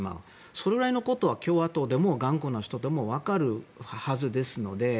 それぐらいのことは共和党の頑固な人でも分かるはずですので。